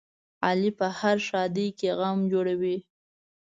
علي په هره ښادۍ کې غم جوړوي.